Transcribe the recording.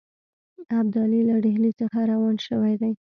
ابدالي له ډهلي څخه روان شوی دی.